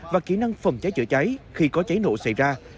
và kỹ năng phòng cháy chữa cháy khi có cháy nổ xảy ra